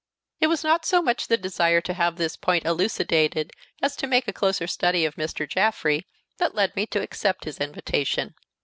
It was not so much the desire to have this point elucidated as to make a closer study of Mr. Jaffrey that led me to accept his invitation.